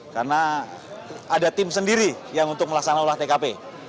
karena ada tim sendiri yang untuk melaksanakan olah tkp